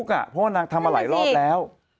ก็คุกอะเพราะว่านางทำมาหลายรอบแล้ว